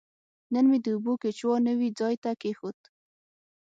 نن مې د اوبو کیچوا نوي ځای ته کیښود.